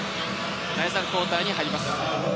第３クオーターに入ります。